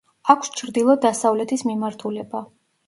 აქვს ჩრდილო-დასავლეთის მიმართულება.